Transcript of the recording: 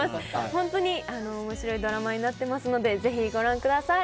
本当に面白いドラマになっていますのでぜひご覧ください。